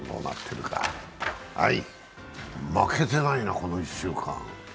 負けてないな、この１週間。